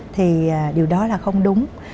thì điều đó là không đúng